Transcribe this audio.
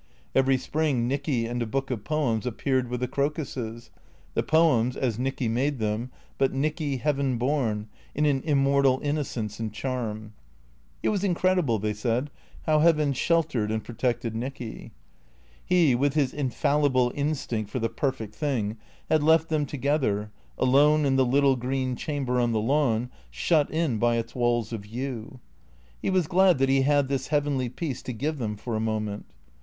Every spring Nicky and a book of poems ap peared with the crocuses; the poems as Nicky made them, but Nicky heaven born, in an immortal innocence and charm. It was incredible, they said, how heaven sheltered and pro tected Nicky. He, with his infallible instinct for the perfect thing, had left them together, alone in the little green chamber on the lawn, shut in by its walls of yew. He was glad that he had this heavenly peace to give them for a moment.